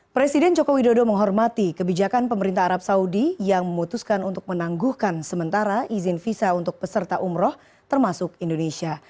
presiden joko widodo menghormati kebijakan pemerintah arab saudi yang memutuskan untuk menangguhkan sementara izin visa untuk peserta umroh termasuk indonesia